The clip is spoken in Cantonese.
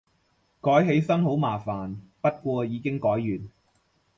改起身好麻煩，不過已經改完